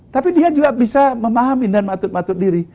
tapi dia juga bisa memahami dan matut matut diri